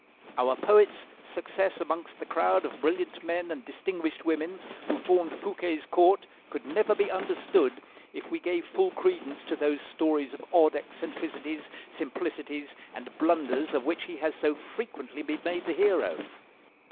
Our poet's success amongst the crowd of brilliant men and distinguished women who formed Fouquet's court, could never be understood, if we gave full credence to those stories of odd eccentricities, simplicities, and blunders of which he has so frequently been made the hero.